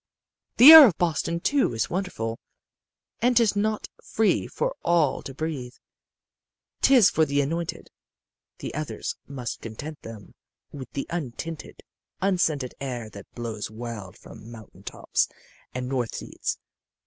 "The air of Boston, too, is wonderful and 'tis not free for all to breathe. 'Tis for the anointed the others must content them with the untinted, unscented air that blows wild from mountain tops and north seas.